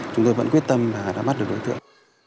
chúng tôi vẫn quyết tâm đã bắt được đối tượng